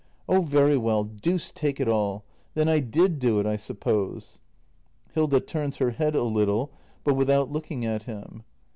] Oh very well, deuce take it all — then I did do it, I suppose. Hilda. [Turns her head a little, but without looking at him.